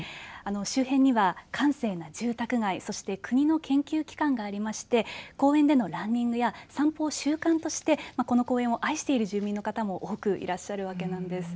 周辺には、閑静な住宅街そして国の研究機関がありまして公園でのランニングや散歩を習慣としてこの公園を愛している住民の方も多くいらっしゃるわけなんです。